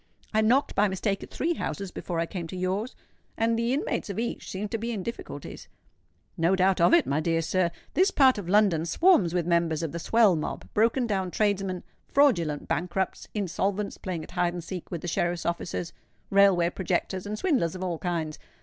"I knocked by mistake at three houses before I came to yours, and the inmates of each seemed to be in difficulties." "No doubt of it, my dear sir. This part of London swarms with members of the Swell Mob, broken down tradesmen, fraudulent bankrupts, insolvents playing at hide and seek with the sheriff's officers, railway projectors, and swindlers of all kinds.